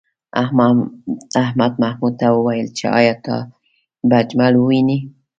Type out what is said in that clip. احمد محمود ته وویل چې ایا ته به اجمل ووینې؟